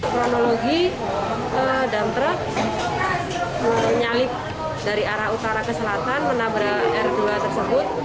kronologi dam truk menyalip dari arah utara ke selatan menabrak r dua tersebut